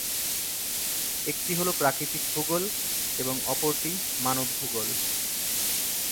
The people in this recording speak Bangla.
একটি হলো প্রাকৃতিক ভূগোল এবং অপরটি মানব ভূগোল।